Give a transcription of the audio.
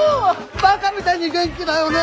バカみたいに元気だよね！